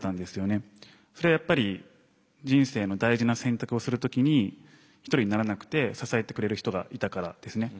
それはやっぱり人生の大事な選択をする時に一人にならなくて支えてくれる人がいたからですね。